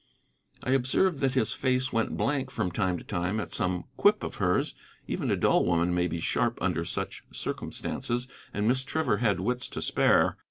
I observed that his face went blank from time to time at some quip of hers: even a dull woman may be sharp under such circumstances, and Miss Trevor had wits to spare.